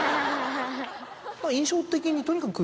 印象的にとにかく。